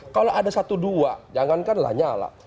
kalau ada satu dua jangankanlah nyala